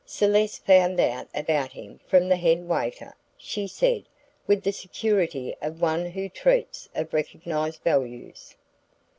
Celeste found out about him from the headwaiter," she said, with the security of one who treats of recognized values.